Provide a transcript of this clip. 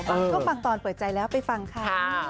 บางช่วงบางตอนเปิดใจแล้วไปฟังค่ะ